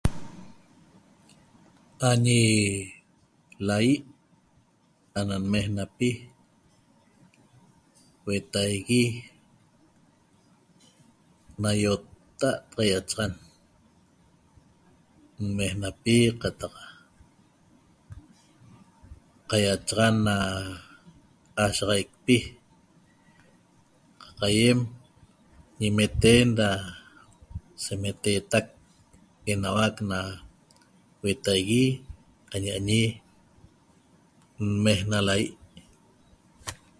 Añi laỹi ana nmeenapi huetaigui na iotta'a ra iachaxan nmeenapi qataq qaiachaxan na ashaxaicpi aiem ñimeten ra semetetac enauac na huetaigui aña'añi nmeena laỹi